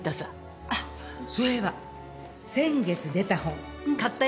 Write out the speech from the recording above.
あっそういえば先月出た本買ったよ。